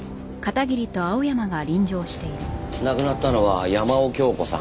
亡くなったのは山尾京子さん。